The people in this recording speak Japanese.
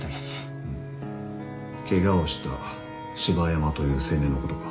ケガをした芝山という青年のことか？